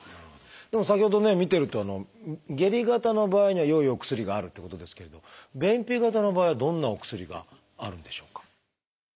でも先ほどね見てると下痢型の場合には良いお薬があるってことですけれど便秘型の場合はどんなお薬があるんでしょうか？